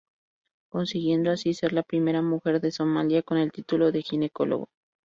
Consiguiendo así ser la primera mujer de Somalia con el título de ginecólogo.